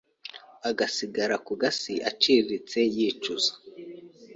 agasigara ku gasi aciriritse yicuza.